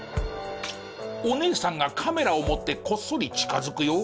お姉さんがカメラを持ってこっそり近づくよ。